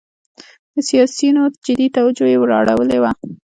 د سیاسینو جدي توجه یې وراړولې وه.